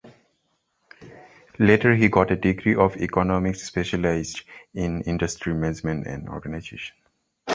Later he got a degree of Economics specialized in Industry Management and Organization.